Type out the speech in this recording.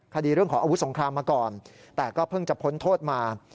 เรื่องของอาวุธสงครามมาก่อนแต่ก็เพิ่งจะพ้นโทษมา